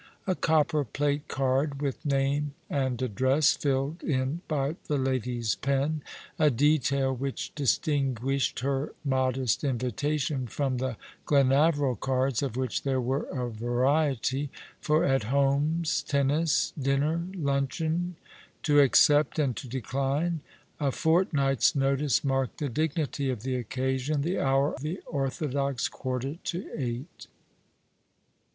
A copper plate card, with name and address filled in by the lady's pen, a detail which distinguished her modest invitation from the Glenaveril cards, of which there were a variety, for at homes, tennis, dinner, luncheon, to accept, and to decline. A fortnight's notice marked the dignity of the occasion — the hour the orthodox quarter to eight.